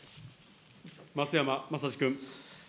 松山政司君。